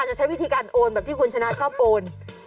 จะใช้วิธีการโอนแบบที่คุณชนะชอบโอน